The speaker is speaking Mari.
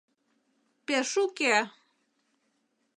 — Пеш уке!